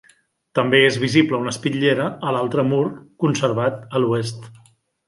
També és visible una espitllera a l'altre mur conservat a l'oest.